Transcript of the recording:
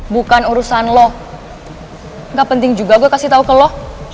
bukan urusan lo gak penting juga gue kasih tau ke lo